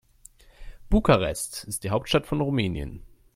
Bukarest ist die Hauptstadt von Rumänien.